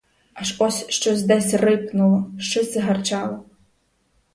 Аж ось щось десь рипнуло, щось загарчало.